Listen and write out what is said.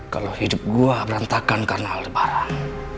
kalau hidup gue berantakan karena aldebaran